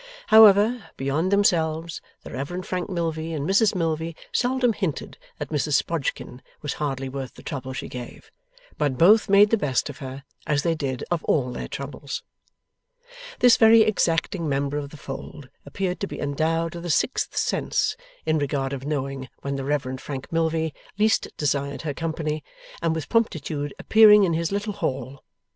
However, beyond themselves, the Reverend Frank Milvey and Mrs Milvey seldom hinted that Mrs Sprodgkin was hardly worth the trouble she gave; but both made the best of her, as they did of all their troubles. This very exacting member of the fold appeared to be endowed with a sixth sense, in regard of knowing when the Reverend Frank Milvey least desired her company, and with promptitude appearing in his little hall.